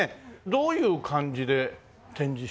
どういう感じで展示してあるの？